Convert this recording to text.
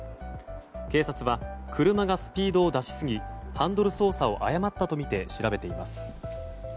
警察は車がスピードを出しすぎハンドル操作を誤ったとみて調べています。